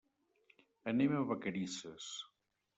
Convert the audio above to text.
Anem a Vacarisses.